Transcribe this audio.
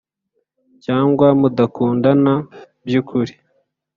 cyangwa mudakundana by’ukuri,